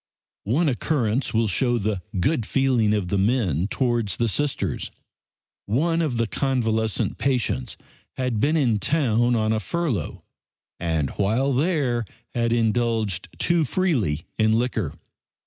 One occurrence will show the good feeling of the men towards the Sisters. One of the convalescent patients had been in town on a furlough, and while there had indulged too freely in liquor.